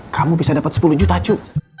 kamu bisa dapat sepuluh juta cu